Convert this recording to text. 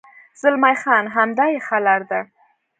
زلمی خان: همدا یې ښه لار ده.